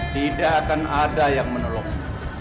tidak akan ada yang menolong